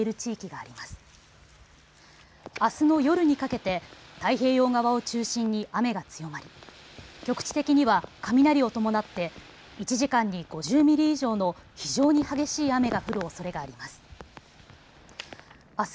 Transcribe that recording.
あすの夜にかけて太平洋側を中心に雨が強まり局地的には雷を伴って１時間に５０ミリ以上の非常に激しい雨が降るおそれがあります。